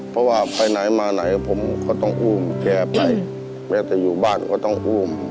เพราะว่าไปไหนมาไหนผมก็ต้องอุ้มแกไปแม้จะอยู่บ้านก็ต้องอุ้ม